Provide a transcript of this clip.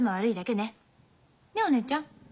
ねえお姉ちゃん。